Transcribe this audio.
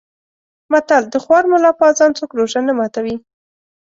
متل: د خوار ملا په اذان څوک روژه نه ماتوي.